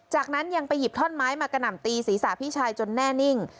จากนั้นยังไปหยิบท่อนไม้มากระหน่ำตีศีรษะพี่ชายจนแน่นิ่ง